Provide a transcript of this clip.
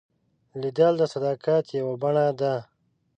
لیدل د صداقت یوه بڼه ده